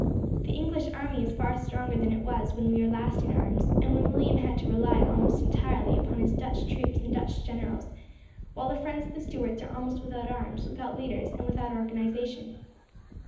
The English army is far stronger than it was when we were last in arms, and when William had to rely, almost entirely, upon his Dutch troops and Dutch generals; while the friends of the Stuarts are almost without arms, without leaders, and without organization."